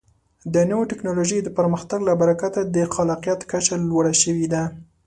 د نوو ټکنالوژیو د پرمختګ له برکته د خلاقیت کچه لوړه شوې ده.